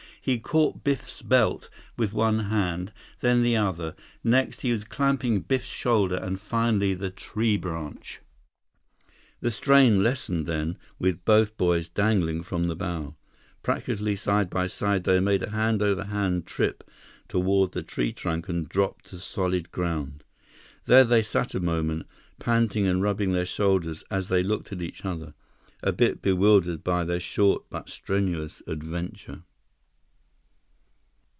He caught Biff's belt with one hand; then the other. Next, he was clamping Biff's shoulder and finally the tree branch. The strain lessened then, with both boys dangling from the bough. Practically side by side, they made a hand over hand trip toward the tree trunk and dropped to solid ground. There they sat a moment, panting and rubbing their shoulders as they looked at each other, a bit bewildered by their short but strenuous adventure.